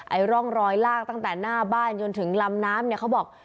ร่องรอยลากตั้งแต่หน้าบ้านจนถึงลำน้ำเนี่ยเขาบอก